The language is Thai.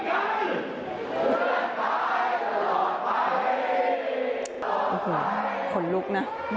โอ้โหขนลุกนะ